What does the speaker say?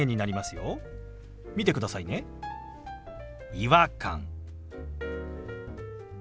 「違和感」。